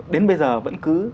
đến bây giờ vẫn cứ